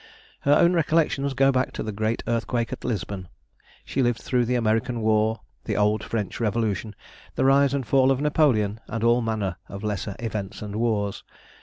Her own recollections go back to the Great Earthquake at Lisbon; she lived through the American War, the old French Revolution, the rise and fall of Napoleon, and all manner of lesser events and wars.